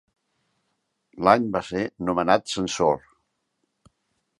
L'any va ser nomenat censor.